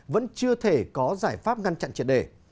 vẫn chưa thể có giải pháp ngăn chặn triệt đề